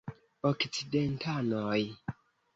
Okcidentanoj.